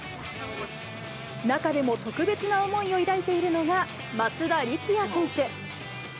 中でも特別な思いを抱いているのが松田力也選手。